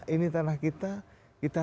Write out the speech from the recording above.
ini tanah kita kita